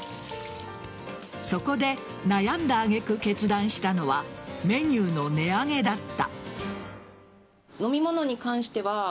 そこで悩んだ揚げ句決断したのはメニューの値上げだった。